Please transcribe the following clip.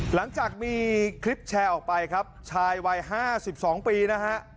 หลังจากมีคลิปแชร์ออกไปครับชายวัย๕๒ปีนะฮะ